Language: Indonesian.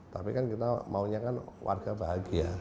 tapi kan kita maunya kan warga bahagia